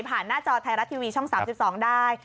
หน้าจอไทยรัฐทีวีช่อง๓๒ได้